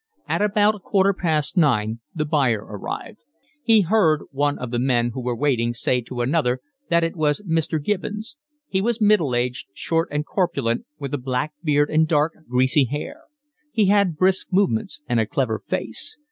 At about a quarter past nine the buyer arrived. He heard one of the men who were waiting say to another that it was Mr. Gibbons. He was middle aged, short and corpulent, with a black beard and dark, greasy hair. He had brisk movements and a clever face.